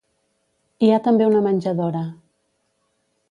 Hi ha també una menjadora.